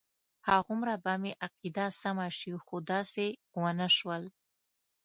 هغومره به مې عقیده سمه شي خو داسې ونه شول.